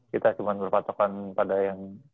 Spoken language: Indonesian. kita cuma berpatokan pada yang